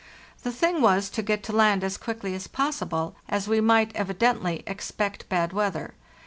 The thing was to get to land as quickly as possible, as we might evi dently expect bad weather.